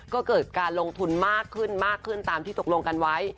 ก็เกิดการลงทุนมากขึ้นมากขึ้นตามที่ตกลงกันไว้